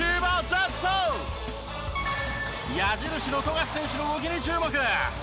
矢印の富樫選手の動きに注目。